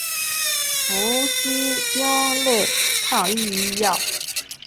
氟西汀类抗抑郁药。